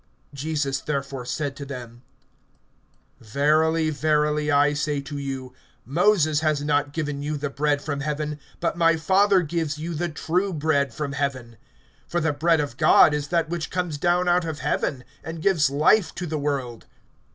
(32)Jesus therefore said to them: Verily, verily, I say to you, Moses has not given you the bread from heaven; but my Father gives you the true bread from heaven. (33)For the bread of God is that which[6:33] comes down out of heaven, and gives life to the world.